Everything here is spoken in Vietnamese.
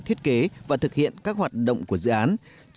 thiết kế và thực hiện các hoạt động của dự án